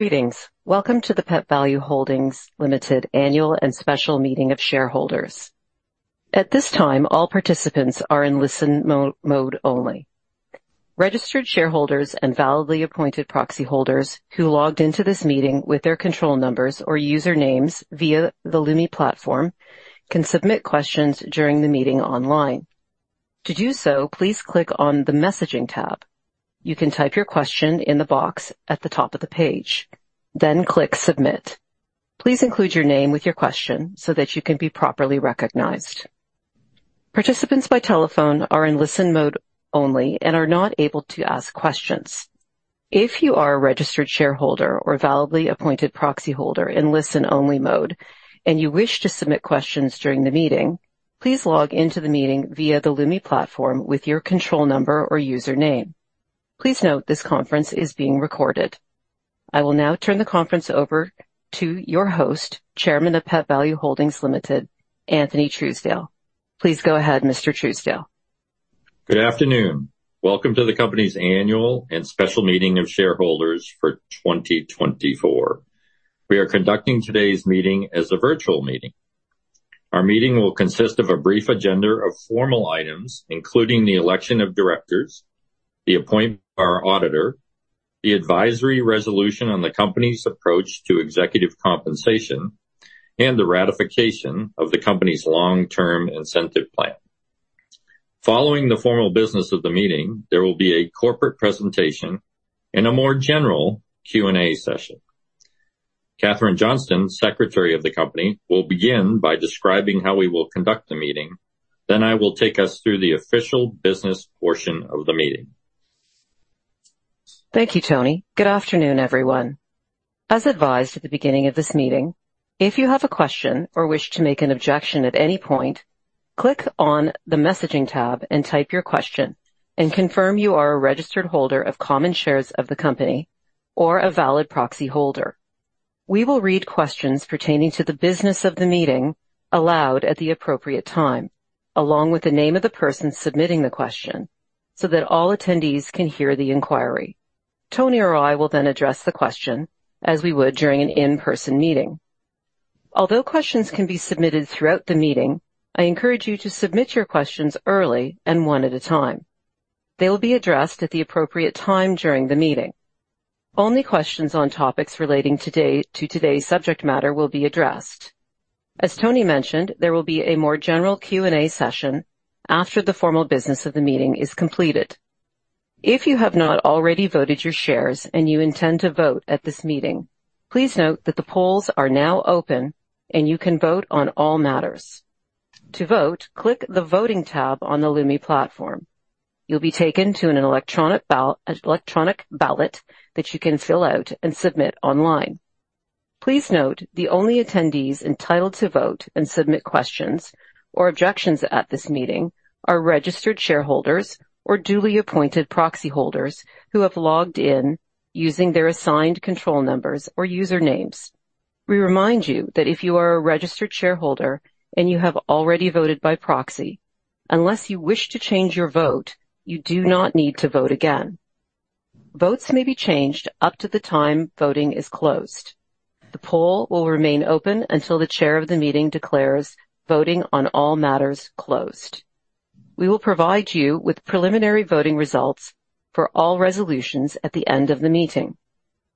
Greetings. Welcome to the Pet Valu Holdings Ltd. Annual and Special Meeting of Shareholders. At this time, all participants are in listen mode only. Registered shareholders and validly appointed proxy holders who logged into this meeting with their control numbers or usernames via the Lumi Platform can submit questions during the meeting online. To do so, please click on the Messaging tab. You can type your question in the box at the top of the page, then click Submit. Please include your name with your question so that you can be properly recognized. Participants by telephone are in listen mode only and are not able to ask questions. If you are a registered shareholder or a validly appointed proxy holder in listen-only mode and you wish to submit questions during the meeting, please log into the meeting via the Lumi Platform with your control number or username. Please note this conference is being recorded. I will now turn the conference over to your host, Chairman of Pet Valu Holdings Ltd., Anthony Truesdale. Please go ahead, Mr. Truesdale. Good afternoon. Welcome to the company's annual and special meeting of shareholders for 2024. We are conducting today's meeting as a virtual meeting. Our meeting will consist of a brief agenda of formal items, including the election of directors, the appointment of our auditor, the advisory resolution on the company's approach to executive compensation, and the ratification of the company's long-term incentive plan. Following the formal business of the meeting, there will be a corporate presentation and a more general Q&A session. Catherine Johnston, Secretary of the company, will begin by describing how we will conduct the meeting. I will take us through the official business portion of the meeting. Thank you, Anthony. Good afternoon, everyone. As advised at the beginning of this meeting, if you have a question or wish to make an objection at any point, click on the Messaging tab and type your question and confirm you are a registered holder of common shares of the company or a valid proxy holder. We will read questions pertaining to the business of the meeting aloud at the appropriate time, along with the name of the person submitting the question so that all attendees can hear the inquiry. Anthony or I will address the question as we would during an in-person meeting. Although questions can be submitted throughout the meeting, I encourage you to submit your questions early and one at a time. They will be addressed at the appropriate time during the meeting. Only questions on topics relating to today's subject matter will be addressed. As Anthony mentioned, there will be a more general Q&A session after the formal business of the meeting is completed. If you have not already voted your shares and you intend to vote at this meeting, please note that the polls are now open, and you can vote on all matters. To vote, click the Voting tab on the Lumi Platform. You'll be taken to an electronic ballot that you can fill out and submit online. Please note the only attendees entitled to vote and submit questions or objections at this meeting are registered shareholders or duly appointed proxy holders who have logged in using their assigned control numbers or usernames. We remind you that if you are a registered shareholder and you have already voted by proxy, unless you wish to change your vote, you do not need to vote again. Votes may be changed up to the time voting is closed. The poll will remain open until the chair of the meeting declares voting on all matters closed. We will provide you with preliminary voting results for all resolutions at the end of the meeting.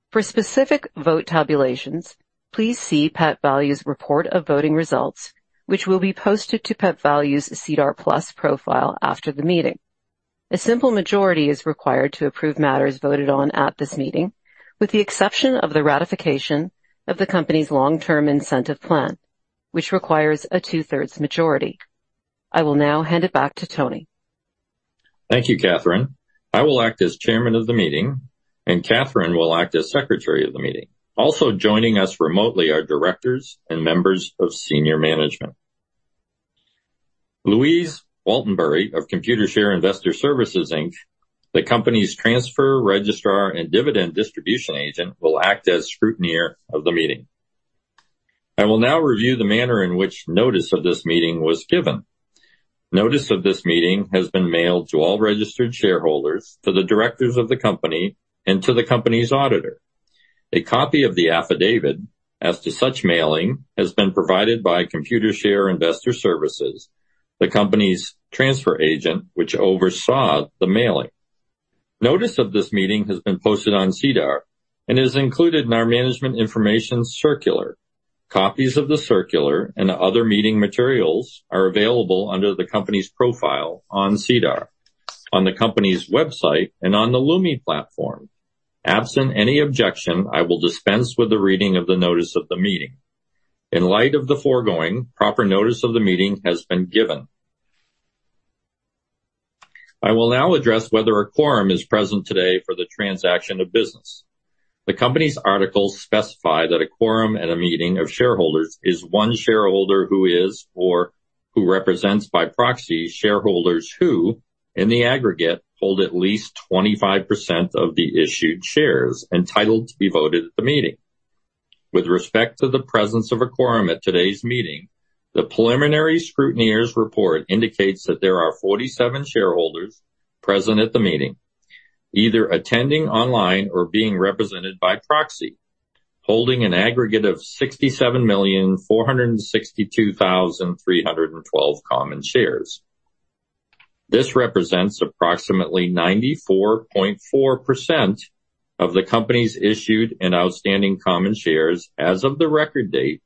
For specific vote tabulations, please see Pet Valu's Report of Voting Results, which will be posted to Pet Valu's SEDAR+ profile after the meeting. A simple majority is required to approve matters voted on at this meeting, with the exception of the ratification of the company's long-term incentive plan, which requires a 2/3 majority. I will now hand it back to Anthony. Thank you, Catherine. I will act as chairman of the meeting, and Catherine will act as secretary of the meeting. Also joining us remotely are directors and members of senior management. Louise Waltenbury of Computershare Investor Services Inc, the company's transfer registrar and dividend distribution agent, will act as scrutineer of the meeting. I will now review the manner in which notice of this meeting was given. Notice of this meeting has been mailed to all registered shareholders, to the directors of the company, and to the company's auditor. A copy of the affidavit as to such mailing has been provided by Computershare Investor Services, the company's transfer agent, which oversaw the mailing. Notice of this meeting has been posted on SEDAR and is included in our management information circular. Copies of the circular and other meeting materials are available under the company's profile on SEDAR, on the company's website, and on the Lumi platform. Absent any objection, I will dispense with the reading of the notice of the meeting. In light of the foregoing, proper notice of the meeting has been given. I will now address whether a quorum is present today for the transaction of business. The company's articles specify that a quorum at a meeting of shareholders is one shareholder who is, or who represents by proxy shareholders who, in the aggregate, hold at least 25% of the issued shares entitled to be voted at the meeting. With respect to the presence of a quorum at today's meeting, the preliminary scrutineer's report indicates that there are 47 shareholders present at the meeting, either attending online or being represented by proxy, holding an aggregate of 67,462,312 common shares. This represents approximately 94.4% of the company's issued and outstanding common shares as of the record date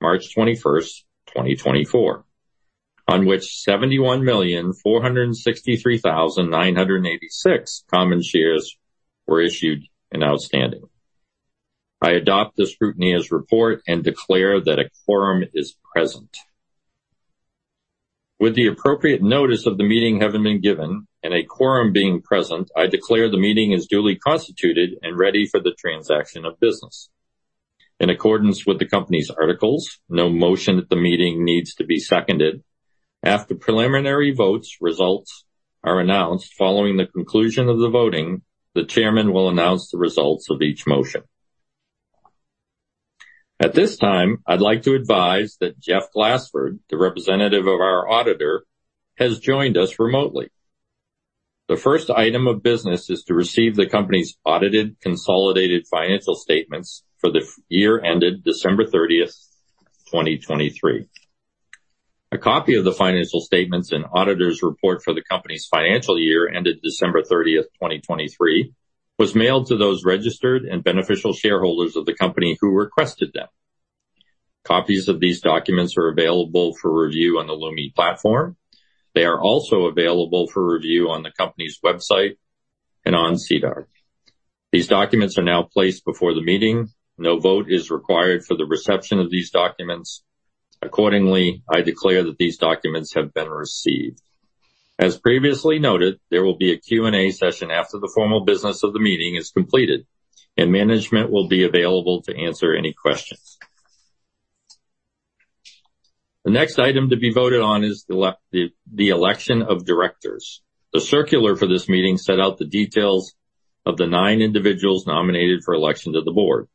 March 21, 2024, on which 71,463,986 common shares were issued and outstanding. I adopt the scrutineer's report and declare that a quorum is present. With the appropriate notice of the meeting having been given and a quorum being present, I declare the meeting is duly constituted and ready for the transaction of business. In accordance with the company's articles, no motion at the meeting needs to be seconded. After preliminary votes, results are announced. Following the conclusion of the voting, the chairman will announce the results of each motion. At this time, I'd like to advise that Jeffrey Glassford, the representative of our auditor, has joined us remotely. The first item of business is to receive the company's audited consolidated financial statements for the year ended December 30th, 2023. A copy of the financial statements and auditor's report for the company's financial year ended December 30th, 2023, was mailed to those registered and beneficial shareholders of the company who requested them. Copies of these documents are available for review on the Lumi platform. They are also available for review on the company's website and on SEDAR. These documents are now placed before the meeting. No vote is required for the reception of these documents. Accordingly, I declare that these documents have been received. As previously noted, there will be a Q&A session after the formal business of the meeting is completed, and management will be available to answer any questions. The next item to be voted on is the election of directors. The circular for this meeting set out the details of the nine individuals nominated for election to the board.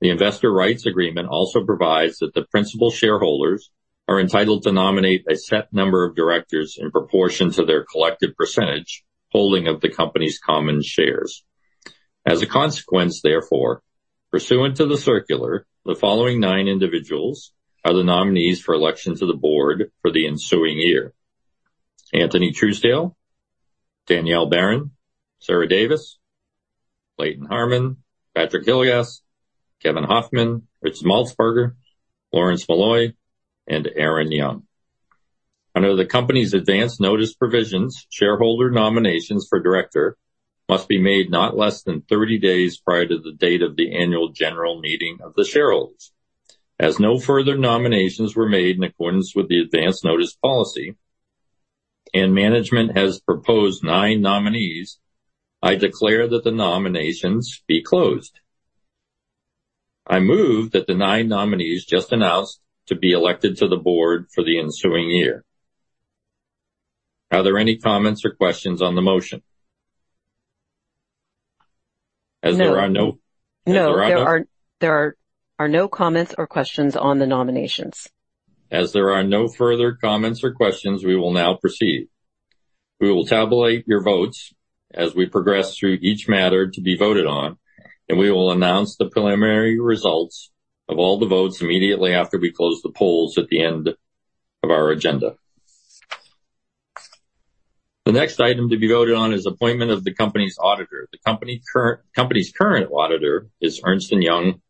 The investor rights agreement also provides that the principal shareholders are entitled to nominate a set number of directors in proportion to their collective percentage holding of the company's common shares. As a consequence, therefore, pursuant to the circular, the following 9 individuals are the nominees for election to the board for the ensuing year: Anthony Truesdale, Danielle Barran, Sarah Davis, Clayton Harmon, Patrick Hillegass, Kevin Hofmann, Richard Maltsbarger, Lawrence Molloy, and Erin Young. Under the company's advance notice provisions, shareholder nominations for director must be made not less than 30 days prior to the date of the annual general meeting of the shareholders. As no further nominations were made in accordance with the advance notice policy, and management has proposed 9 nominees, I declare that the nominations be closed. I move that the 9 nominees just announced to be elected to the board for the ensuing year. Are there any comments or questions on the motion? No. As there are No, there are no comments or questions on the nominations. As there are no further comments or questions, we will now proceed. We will tabulate your votes as we progress through each matter to be voted on, and we will announce the preliminary results of all the votes immediately after we close the polls at the end of our agenda. The next item to be voted on is appointment of the company's auditor. The company's current auditor is Ernst & Young.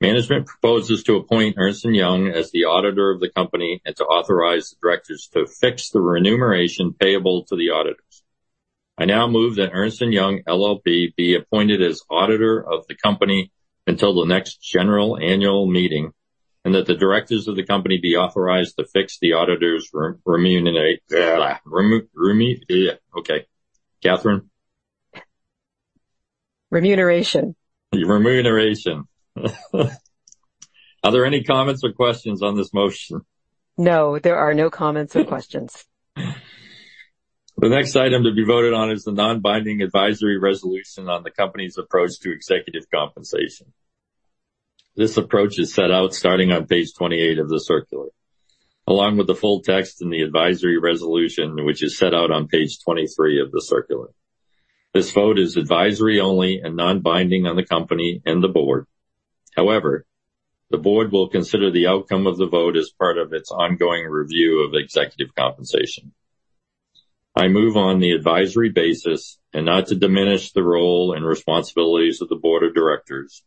Management proposes to appoint Ernst & Young as the auditor of the company and to authorize the directors to fix the remuneration payable to the auditors. I now move that Ernst & Young LLP be appointed as auditor of the company until the next general annual meeting, and that the directors of the company be authorized to fix the auditor's remun-remuninate. Blah. Remu-remun... Okay. Catherine? Remuneration. Remuneration. Are there any comments or questions on this motion? No, there are no comments or questions. The next item to be voted on is the non-binding advisory resolution on the company's approach to executive compensation. This approach is set out starting on page 28 of the circular, along with the full text and the advisory resolution, which is set out on page 23 of the circular. This vote is advisory only and non-binding on the company and the board. However, the board will consider the outcome of the vote as part of its ongoing review of executive compensation. I move on the advisory basis, and not to diminish the role and responsibilities of the board of directors,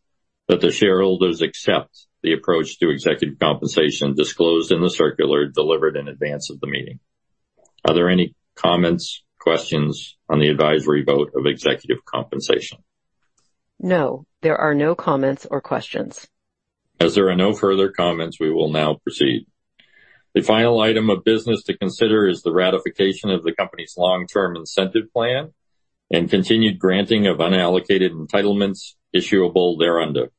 that the shareholders accept the approach to executive compensation disclosed in the circular delivered in advance of the meeting. Are there any comments, questions on the advisory vote of executive compensation? No, there are no comments or questions. As there are no further comments, we will now proceed. The final item of business to consider is the ratification of the company's long-term incentive plan and continued granting of unallocated entitlements issuable thereunder.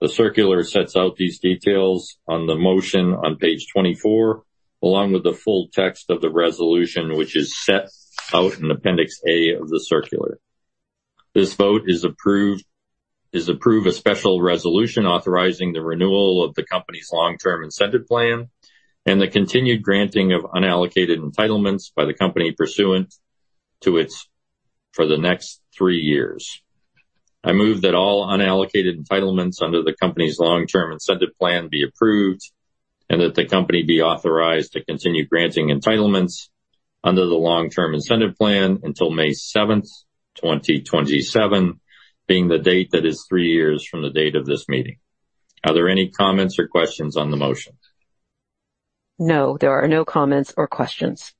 The circular sets out these details on the motion on page 24. Along with the full text of the resolution, which is set out in Appendix A of the circular. This vote is approve a special resolution authorizing the renewal of the company's long-term incentive plan and the continued granting of unallocated entitlements by the company pursuant to its for the next 3 years. I move that all unallocated entitlements under the company's long-term incentive plan be approved and that the company be authorized to continue granting entitlements under the long-term incentive plan until May 7, 2027, being the date that is 3 years from the date of this meeting. Are there any comments or questions on the motion? No, there are no comments or questions.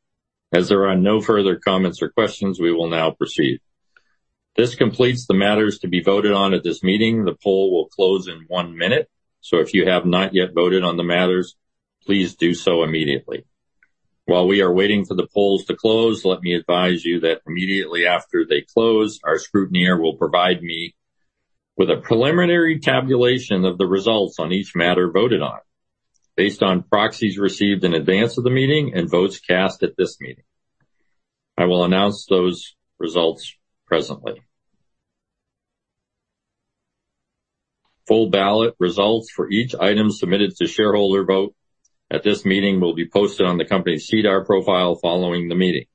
As there are no further comments or questions, we will now proceed. This completes the matters to be voted on at this meeting. The poll will close in 1 minute. If you have not yet voted on the matters, please do so immediately. While we are waiting for the polls to close, let me advise you that immediately after they close, our scrutineer will provide me with a preliminary tabulation of the results on each matter voted on, based on proxies received in advance of the meeting and votes cast at this meeting. I will announce those results presently. Full ballot results for each item submitted to shareholder vote at this meeting will be posted on the company's SEDAR+ profile following the meeting.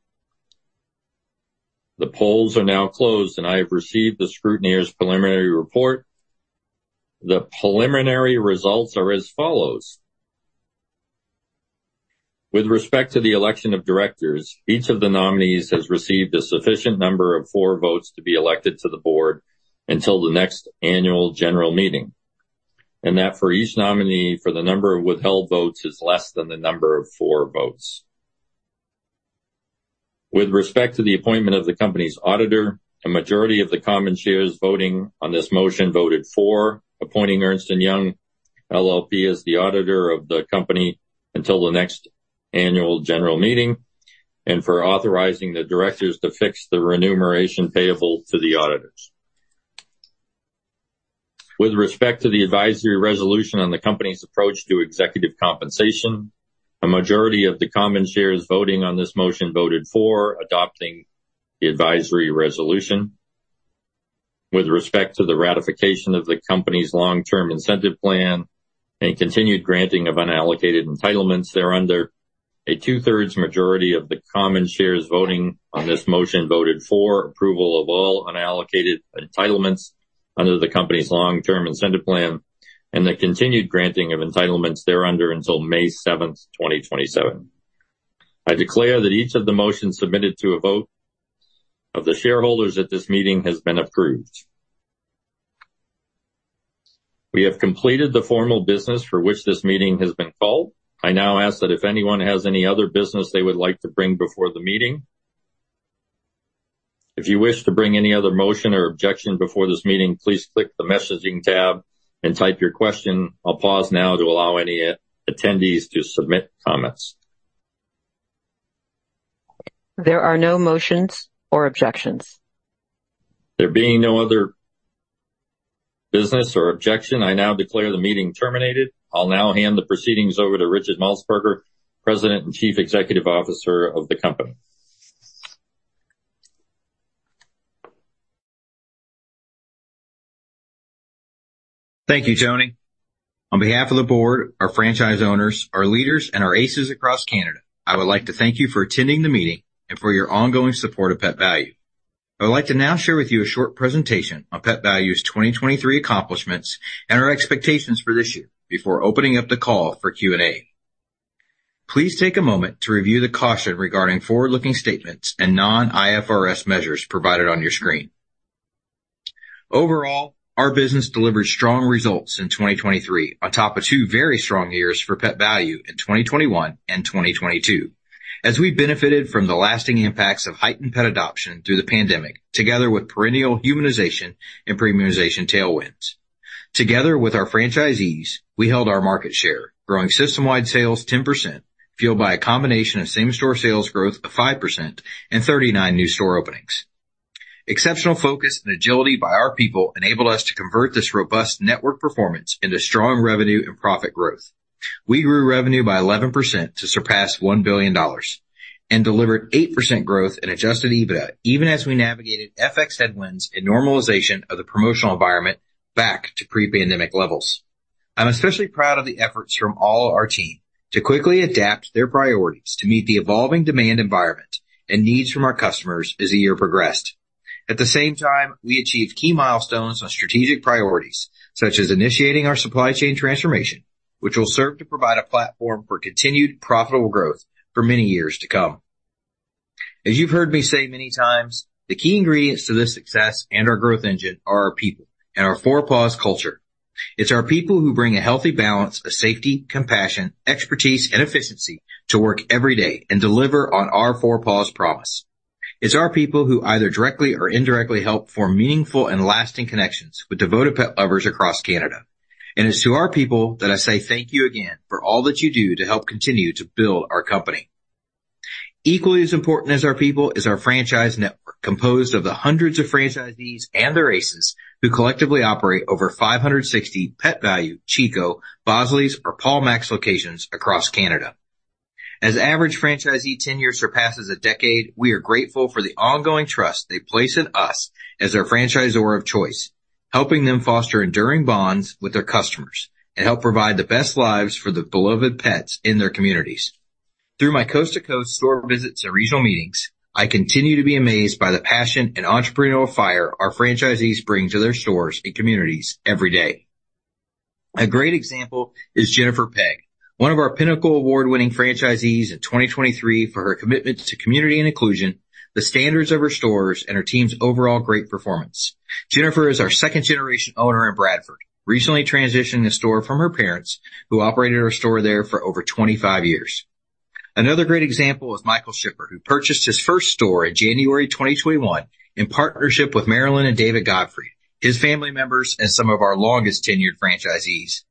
The polls are now closed and I have received the scrutineer's preliminary report. The preliminary results are as follows. With respect to the election of directors, each of the nominees has received a sufficient number of 4 votes to be elected to the board until the next annual general meeting, and that for each nominee for the number of withheld votes is less than the number of 4 votes. With respect to the appointment of the company's auditor, a majority of the common shares voting on this motion voted for appointing Ernst & Young LLP as the auditor of the company until the next annual general meeting and for authorizing the directors to fix the remuneration payable to the auditors. With respect to the advisory resolution on the company's approach to executive compensation, a majority of the common shares voting on this motion voted for adopting the advisory resolution. With respect to the ratification of the company's long-term incentive plan and continued granting of unallocated entitlements thereunder, a two-thirds majority of the common shares voting on this motion voted for approval of all unallocated entitlements under the company's long-term incentive plan and the continued granting of entitlements thereunder until May seventh, 2027. I declare that each of the motions submitted to a vote of the shareholders at this meeting has been approved. We have completed the formal business for which this meeting has been called. I now ask that if anyone has any other business they would like to bring before the meeting. If you wish to bring any other motion or objection before this meeting, please click the messaging tab and type your question. I'll pause now to allow any attendees to submit comments. There are no motions or objections. There being no other business or objection, I now declare the meeting terminated. I'll now hand the proceedings over to Richard Maltsbarger, President and Chief Executive Officer of the company. Thank you, Anthony. On behalf of the board, our franchise owners, our leaders, and our aces across Canada, I would like to thank you for attending the meeting and for your ongoing support of Pet Valu. I would like to now share with you a short presentation on Pet Valu's 2023 accomplishments and our expectations for this year before opening up the call for Q&A. Please take a moment to review the caution regarding forward-looking statements and non-IFRS measures provided on your screen. Overall, our business delivered strong results in 2023, on top of two very strong years for Pet Valu in 2021 and 2022, as we benefited from the lasting impacts of heightened pet adoption through the pandemic, together with perennial humanization and premiumization tailwinds. Together with our franchisees, we held our market share, growing system-wide sales 10%, fueled by a combination of same-store sales growth of 5% and 39 new store openings. Exceptional focus and agility by our people enabled us to convert this robust network performance into strong revenue and profit growth. We grew revenue by 11% to surpass 1 billion dollars and delivered 8% growth in adjusted EBITDA, even as we navigated FX headwinds and normalization of the promotional environment back to pre-pandemic levels. I'm especially proud of the efforts from all our team to quickly adapt their priorities to meet the evolving demand environment and needs from our customers as the year progressed. At the same time, we achieved key milestones on strategic priorities, such as initiating our supply chain transformation, which will serve to provide a platform for continued profitable growth for many years to come. As you've heard me say many times, the key ingredients to this success and our growth engine are our people and our Four Paws Culture. It's our people who bring a healthy balance of safety, compassion, expertise, and efficiency to work every day and deliver on our Four Paws Promise. It's our people who either directly or indirectly help form meaningful and lasting connections with devoted pet lovers across Canada. It's to our people that I say thank you again for all that you do to help continue to build our company. Equally as important as our people is our franchise network, composed of the hundreds of franchisees and their ACEs who collectively operate over 560 Pet Valu, Chico, Bosley's or Paulmac's Pets locations across Canada. As average franchisee tenure surpasses a decade, we are grateful for the ongoing trust they place in us as their franchisor of choice, helping them foster enduring bonds with their customers and help provide the best lives for the beloved pets in their communities. Through my coast-to-coast store visits and regional meetings, I continue to be amazed by the passion and entrepreneurial fire our franchisees bring to their stores and communities every day. A great example is Jennifer Pegg, one of our Pinnacle Award-winning franchisees in 2023 for her commitment to community and inclusion, the standards of her stores, and her team's overall great performance. Jennifer is our second-generation owner in Bradford, recently transitioning the store from her parents who operated our store there for over 25 years. Another great example is Michael Skipper, who purchased his first store in January 2021 in partnership with Marilyn and David Godfrey, his family members, and some of our longest-tenured franchisees.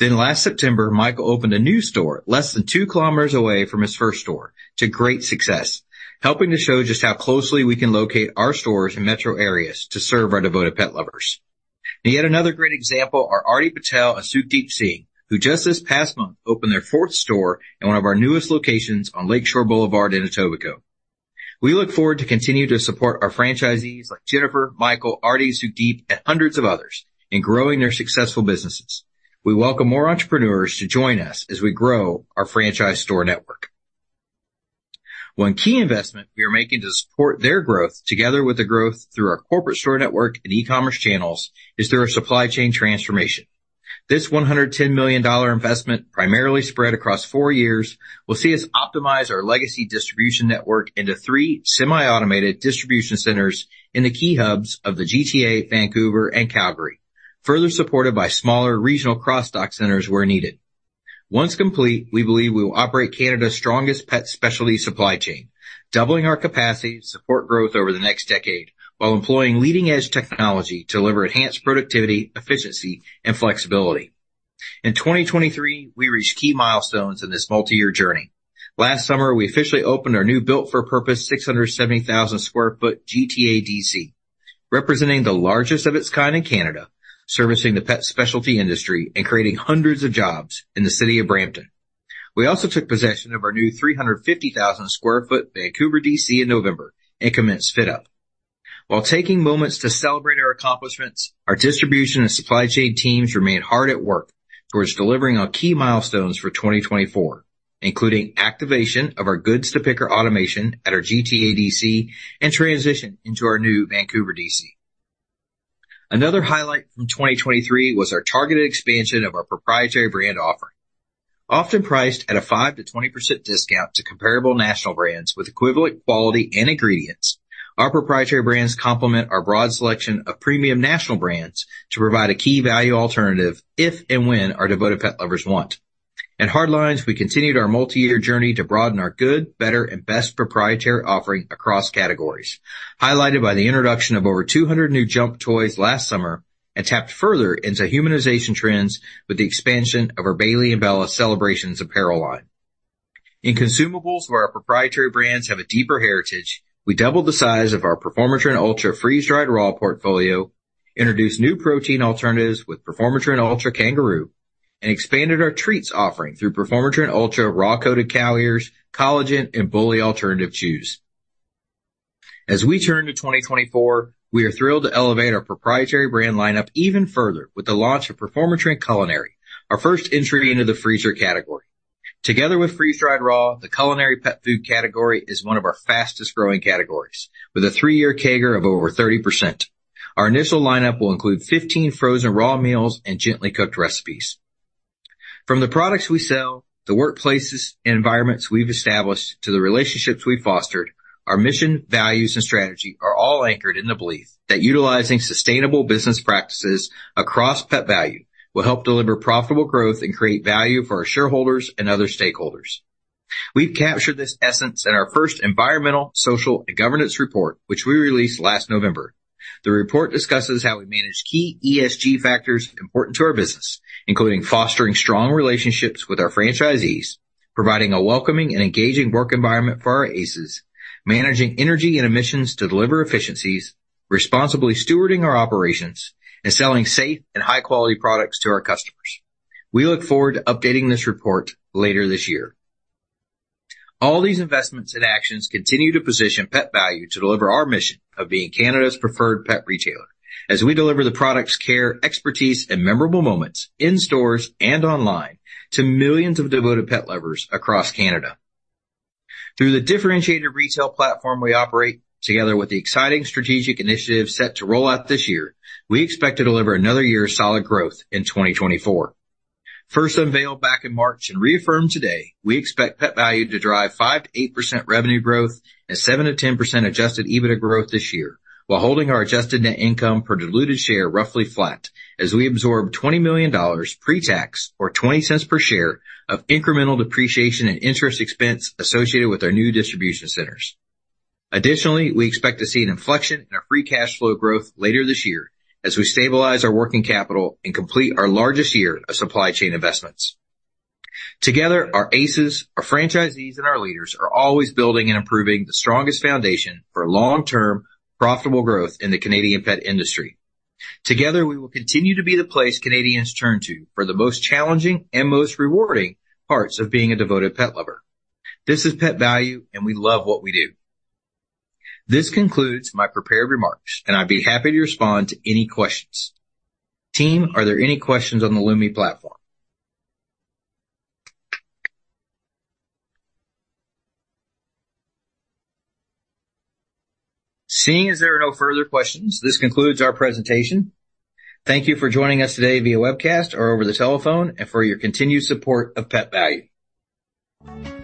Last September, Michael opened a new store less than 2 km away from his first store to great success, helping to show just how closely we can locate our stores in metro areas to serve our devoted pet lovers. Yet another great example are Arty Patel and Sukdeep Singh, who just this past month opened their fourth store in one of our newest locations on Lakeshore Boulevard in Etobicoke. We look forward to continue to support our franchisees like Jennifer, Michael, Arty, Sukdeep, and hundreds of others in growing their successful businesses. We welcome more entrepreneurs to join us as we grow our franchise store network. One key investment we are making to support their growth, together with the growth through our corporate store network and e-commerce channels, is through our supply chain transformation. This CAD 110 million investment, primarily spread across four years, will see us optimize our legacy distribution network into three semi-automated distribution centers in the key hubs of the GTA, Vancouver, and Calgary, further supported by smaller regional cross-dock centers where needed. Once complete, we believe we will operate Canada's strongest pet specialty supply chain, doubling our capacity to support growth over the next decade while employing leading-edge technology to deliver enhanced productivity, efficiency, and flexibility. In 2023, we reached key milestones in this multi-year journey. Last summer, we officially opened our new built-for-purpose 670,000 sq ft GTA DC, representing the largest of its kind in Canada, servicing the pet specialty industry and creating hundreds of jobs in the city of Brampton. We also took possession of our new 350,000 sq ft Vancouver DC in November and commenced fit-out. While taking moments to celebrate our accomplishments, our distribution and supply chain teams remained hard at work towards delivering on key milestones for 2024, including activation of our goods-to-picker automation at our GTA DC and transition into our new Vancouver DC. Another highlight from 2023 was our targeted expansion of our proprietary brand offering. Often priced at a 5%–20% discount to comparable national brands with equivalent quality and ingredients, our proprietary brands complement our broad selection of premium national brands to provide a key value alternative if and when our devoted pet lovers want. At Hard Lines, we continued our multi-year journey to broaden our good, better, and best proprietary offering across categories, highlighted by the introduction of over 200 new Jump toys last summer, and tapped further into humanization trends with the expansion of our Bailey & Bella Celebrations apparel line. In consumables where our proprietary brands have a deeper heritage, we doubled the size of our Performatrin Ultra freeze-dried raw portfolio, introduced new protein alternatives with Performatrin Ultra Kangaroo, and expanded our treats offering through Performatrin Ultra raw coated cow ears, collagen, and bully alternative chews. As we turn to 2024, we are thrilled to elevate our proprietary brand lineup even further with the launch of Performatrin Culinary, our first entry into the freezer category. Together with freeze-dried raw, the culinary pet food category is one of our fastest-growing categories, with a three-year CAGR of over 30%. Our initial lineup will include 15 frozen raw meals and gently cooked recipes. From the products we sell, the workplaces and environments we've established, to the relationships we've fostered, our mission, values, and strategy are all anchored in the belief that utilizing sustainable business practices across Pet Valu will help deliver profitable growth and create value for our shareholders and other stakeholders. We've captured this essence in our first environmental, social, and governance report, which we released last November. The report discusses how we manage key ESG factors important to our business, including fostering strong relationships with our franchisees, providing a welcoming and engaging work environment for our ACEs, managing energy and emissions to deliver efficiencies, responsibly stewarding our operations, and selling safe and high-quality products to our customers. We look forward to updating this report later this year. All these investments and actions continue to position Pet Valu to deliver our mission of being Canada's preferred pet retailer as we deliver the products, care, expertise, and memorable moments in stores and online to millions of devoted pet lovers across Canada. Through the differentiated retail platform we operate, together with the exciting strategic initiatives set to roll out this year, we expect to deliver another year of solid growth in 2024. First unveiled back in March and reaffirmed today, we expect Pet Valu to drive 5%–8% revenue growth and 7%–10% adjusted EBITDA growth this year, while holding our adjusted net income per diluted share roughly flat as we absorb 20 million dollars pre-tax or 0.20 per share of incremental depreciation and interest expense associated with our new distribution centers. Additionally, we expect to see an inflection in our free cash flow growth later this year as we stabilize our working capital and complete our largest year of supply chain investments. Together, our ACEs, our franchisees, and our leaders are always building and improving the strongest foundation for long-term profitable growth in the Canadian pet industry. Together, we will continue to be the place Canadians turn to for the most challenging and most rewarding parts of being a devoted pet lover. This is Pet Valu, and we love what we do. This concludes my prepared remarks, and I'd be happy to respond to any questions. Team, are there any questions on the Lumi platform? Seeing as there are no further questions, this concludes our presentation. Thank you for joining us today via webcast or over the telephone and for your continued support of Pet Valu.